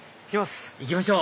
行きます！